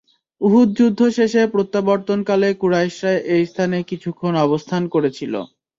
উহুদ যুদ্ধ শেষে প্রত্যাবর্তনকালে কুরাইশরা এস্থানে কিছুক্ষণ অবস্থান করেছিল।